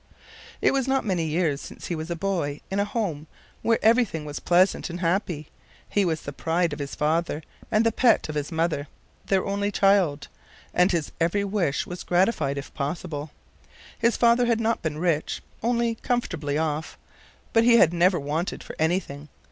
It was not many years since he was a boy in a home where everything was pleasant and happy; he was the pride of his father and the pet of his mother—their only child—and his every wish was gratified if possible. His father had not been rich, only comfortably off, but he had never wanted for anything.